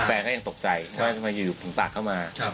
แฟนก็ยังตกใจว่าอยู่อยู่ผมปาดเข้ามา